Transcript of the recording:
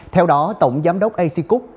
theo đó tổng giám đốc ac cook